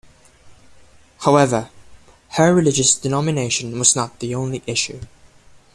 However, her religious denomination was not the only issue.